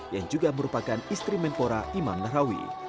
yang juga merupakan istri menpora imam nahrawi